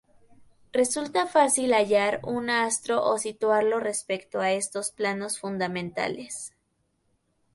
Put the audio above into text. Resulta fácil hallar un astro o situarlo respecto a esos planos fundamentales.